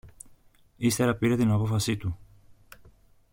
Ύστερα πήρε την απόφαση του.